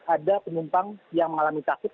ada penumpang yang mengalami sakit